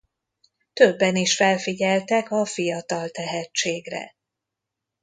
Többen is felfigyeltek a fiatal tehetségre.